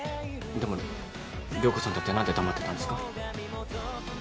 でも涼子さんだって何で黙ってたんですか？